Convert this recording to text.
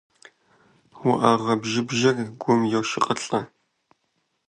УӀэгъэ бжьыбжьыр гум йошыкъылӀэ.